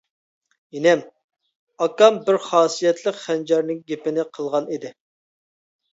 -ئىنىم، ئاكام بىر خاسىيەتلىك خەنجەرنىڭ گېپىنى قىلغان ئىدى.